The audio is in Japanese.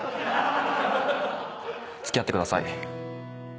付き合ってください。